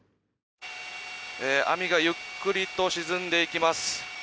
網がゆっくりと沈んでいきます。